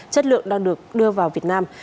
chất lượng đang được đưa vào việt nam